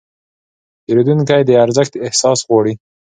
پیرودونکي د ارزښت احساس غواړي.